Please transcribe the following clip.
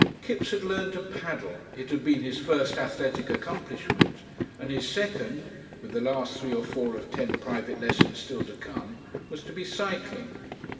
Kipps had learned to paddle it had been his first athletic accomplishment, and his second with the last three or four of ten private lessons still to come was to be cycling.